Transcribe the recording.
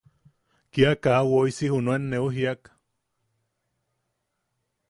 Kia kaa woisi junuen neu jiiak.